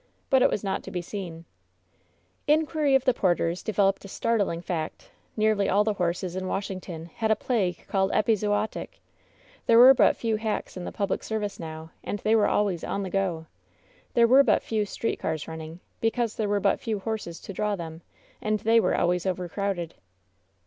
But it was not to be seeil. » Inquiry of the porters developed a startling fact — nearly all the horses in Washington had a plague called epizootic. There were but few hacks in the public serv ice now, and they were always "on the go." There were but few street cars running, because there were but few horses to draw them, and they were always overcrowded.